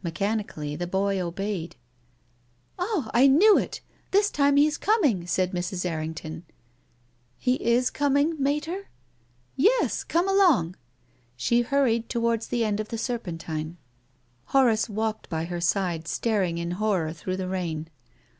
Mechanically the boy obeyed. " Ah, I knew it ! This time he is coming," said Mrs. Errington. " He is coming, Mater?" " Yes; come along." She hurried towards the end of the Serpentine. 368 TONGUES OF CONSCIENCE. Horace walked by her side, staring in horror through the rain.